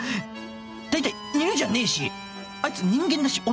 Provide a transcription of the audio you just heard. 大体犬じゃねえしあいつ人間だし男だし